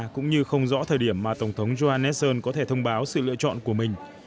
cũng như không rõ thời điểm mà tổng thống johannesson có thể thông báo sự lựa chọn của mình